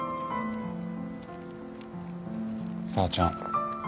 紗和ちゃん。